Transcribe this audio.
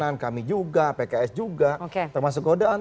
nasdem ada kena tekanan kami juga pks juga termasuk godaan